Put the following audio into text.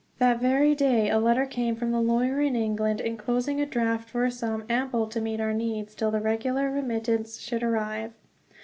That very day a letter came from the lawyer in England, enclosing a draft for a sum ample to meet our needs till the regular remittance should arrive.